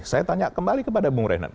saya tanya kembali kepada bung reinan